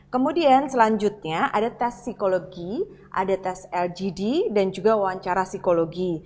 kemudian selanjutnya ada tes psikologi ada tes lgd dan juga wawancara psikologi